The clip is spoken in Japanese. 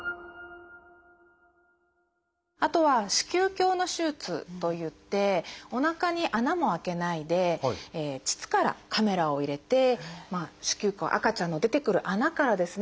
あとは子宮鏡の手術といっておなかに穴も開けないで膣からカメラを入れて子宮口赤ちゃんの出てくる穴からですね